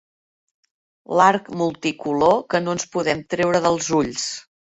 L'arc multicolor que no ens podem treure dels ulls.